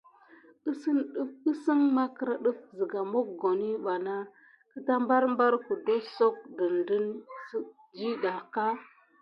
Kisin magra def siga mokoni vana wukisie barbar kedonsok detine di sika.